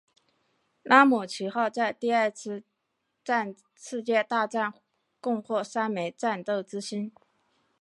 拉姆齐号在第二次世界大战共获三枚战斗之星。